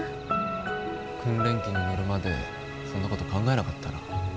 訓練機に乗るまでそんなこと考えなかったな。